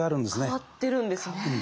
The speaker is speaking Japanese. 変わってるんですね。